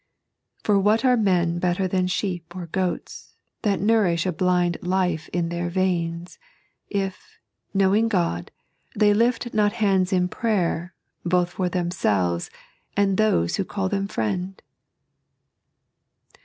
For what are men batter than sheep or goata. That nourish a blind life in their veins, If, knowing Ood, the; lift not hands in prayer Both for thBQUelTeB and those who call them friend